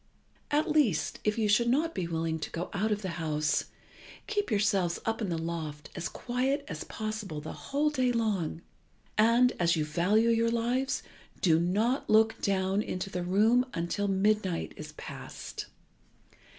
At least, if you should not be willing to go out of the house, keep yourselves up in the loft as quiet as possible the whole day long, and, as you value your lives, do not look down into the room until midnight is past.